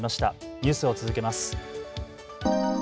ニュースを続けます。